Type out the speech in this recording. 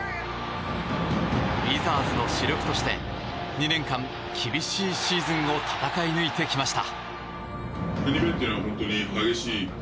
ウィザーズの主力として２年間、厳しいシーズンを戦い抜いてきました。